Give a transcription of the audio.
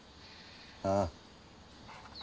ああ。